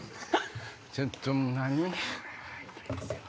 ちょっともう何？